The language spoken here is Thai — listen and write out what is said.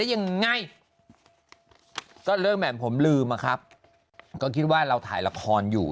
ยังไงก็เริ่มแบบผมลืมอะครับก็คิดว่าเราถ่ายละครอยู่